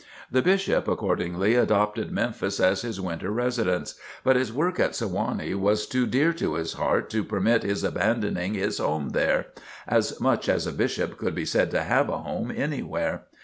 The Bishop accordingly adopted Memphis as his winter residence. But his work at Sewanee was too dear to his heart to permit his abandoning his home there, as much as a Bishop could be said to have a home anywhere.